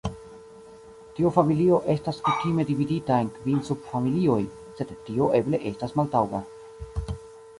Tiu familio estas kutime dividita en kvin subfamilioj, sed tio eble estas maltaŭga.